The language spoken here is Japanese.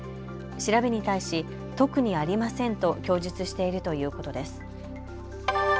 調べに対し特にありませんと供述しているということです。